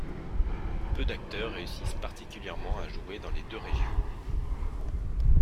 Peu d'acteurs réussissent particulièrement à jouer dans les deux régions.